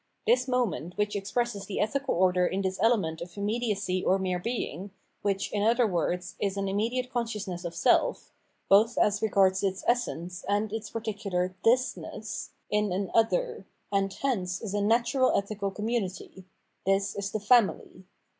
This moment which expresses the ethical order in this element of immediacy or mere being, which, in other words, is an immediate consciousness of self (both as regards its essence and its particular thisness) in an " other," — and hence, is a natural ethical community — this is the Family.